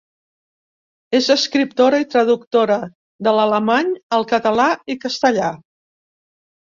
És escriptora i traductora de l'alemany al català i castellà.